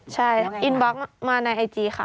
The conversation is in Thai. ใช่อินบล็อกมาในไอจีค่ะ